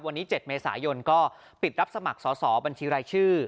วันนี้๗เมษายนก็ปิดรับสมัครสอบบัญชีรายชื่อ